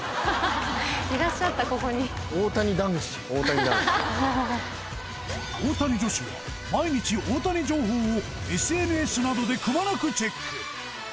いらっしゃったここに大谷男子大谷女子は毎日大谷情報をＳＮＳなどでくまなくチェック